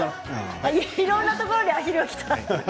いろんなところアヒルが来た。